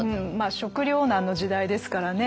食糧難の時代ですからね。